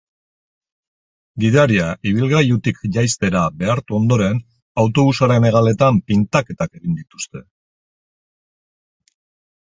Gidaria ibilgailutik jaistera behartu ondoren autobusaren hegaletan pintaketak egin dituzte.